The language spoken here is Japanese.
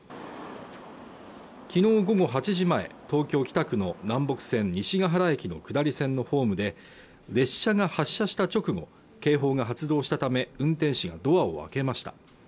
昨日午後８時前東京北区の南北線西ヶ原駅の下り線のホームで列車が発車した直後警報が発動したため運転士がドアを開けました